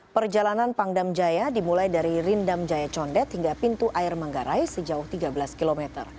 perjalanan pangdam jaya dimulai dari rindam jaya condet hingga pintu air manggarai sejauh tiga belas km